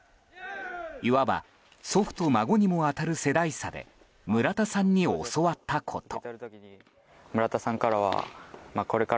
いわば祖父と孫にも当たる世代差で村田さんに教わったこと。